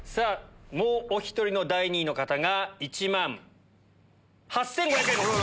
もうお１人の第２位の方が１万８５００円です。